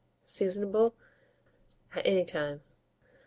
Seasonable at any time.